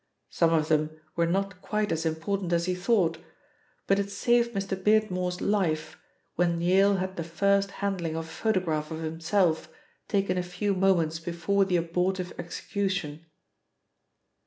Some of them were not quite as important as he thought, but it saved Mr. Beardmore's life when Yale had the first handling of a photograph of himself taken a few moments before the abortive execution.